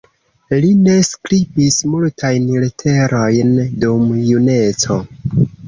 Li ne skribis multajn leterojn dum juneco.